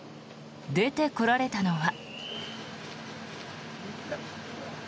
出てこられたのは。